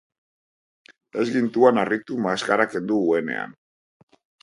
Ez gintuan harritu maskara kendu huenean.